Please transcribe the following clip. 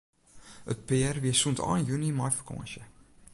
It pear wie sûnt ein juny mei fakânsje.